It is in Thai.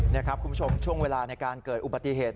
นี่ครับคุณผู้ชมช่วงเวลาในการเกิดอุบัติเหตุ